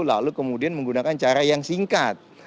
lalu kemudian menggunakan cara yang singkat